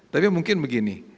tapi mungkin begini